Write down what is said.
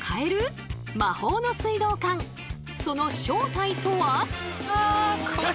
その正体とは？